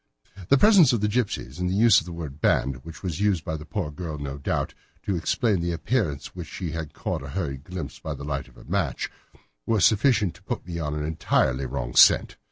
The presence of the gipsies, and the use of the word 'band,' which was used by the poor girl, no doubt, to explain the appearance which she had caught a hurried glimpse of by the light of her match, were sufficient to put me upon an entirely wrong scent.